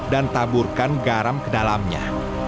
dan taburkan garam ke dalamnya